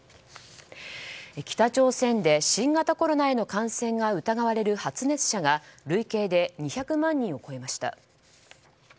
北朝鮮で新型コロナへの感染が疑われる発熱者が累計で２５０万人を超えました。